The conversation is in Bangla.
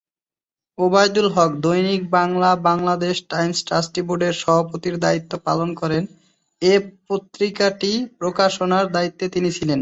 ওবায়দুল হক দৈনিক বাংলা-বাংলাদেশ টাইমস ট্রাস্টি বোর্ডের সভাপতির দায়িত্ব পালন করেন এব পত্রিকাটি প্রকাশনার দায়িত্বে তিনি ছিলেন।